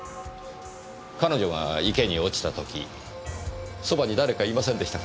彼女が池に落ちた時そばに誰かいませんでしたか？